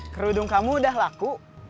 kerudung kamu udah laku